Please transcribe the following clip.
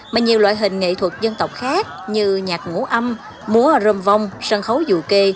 mà nhiều loại hình nghệ thuật dân tộc khác như nhạc ngũ âm múa rơm vong sân khấu dù kê